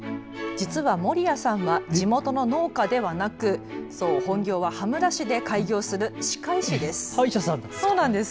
実は森谷さんは地元の農家ではなく、本業は羽村市で開業する歯科医師です。